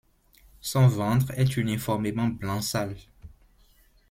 Son ventre est uniformément blanc sale.